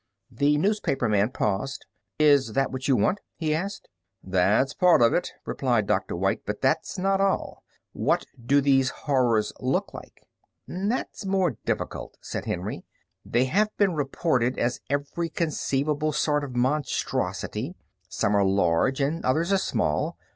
The newspaperman paused. "Is that what you want?" he asked. "That's part of it," replied Dr. White, "but that's not all. What do these Horrors look like?" "That's more difficult," said Henry. "They have been reported as every conceivable sort of monstrosity. Some are large and others are small.